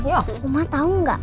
mama tau gak